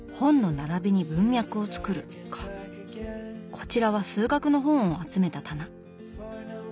こちらは数学の本を集めた棚。